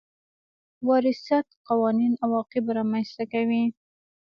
وراثت قوانين عواقب رامنځ ته کوي.